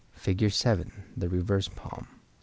Fig. 7. The Reverse Palm.